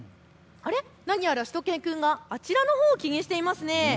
何やら、しゅと犬くんがあちらのほうを気にしていますね。